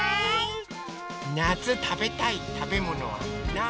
なつたべたいたべものはなに？